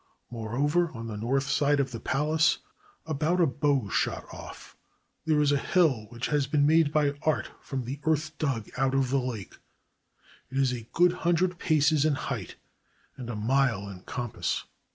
Moreover, on the north side of the palace, about a bow shot off, there is a hill which has been made by art from the earth dug out of the lake ; it is a good hundred paces in height and a mile in compass.